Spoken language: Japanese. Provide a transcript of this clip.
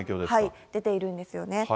出ているんですよね。